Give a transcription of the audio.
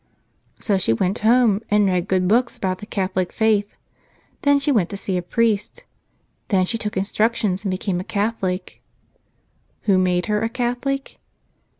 So she went home and read good books about the Catholic faith. Then she went to see a priest. Then she took instructions and became a Catholic. Who made her a Catholic?